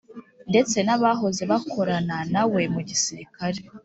ndetse n’abahoze bakorana na we mu gisirikare